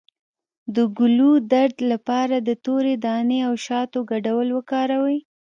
د ګلو درد لپاره د تورې دانې او شاتو ګډول وکاروئ